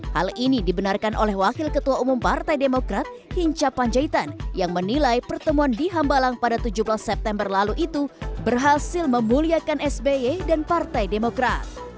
hal ini dibenarkan oleh wakil ketua umum partai demokrat hinca panjaitan yang menilai pertemuan di hambalang pada tujuh belas september lalu itu berhasil memuliakan sby dan partai demokrat